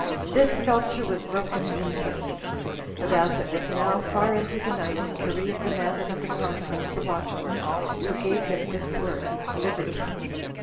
This sculpture was broken immediately. But as it was now far in the night, Cherea demanded of the consuls the watchword, who gave him this word, Liberty.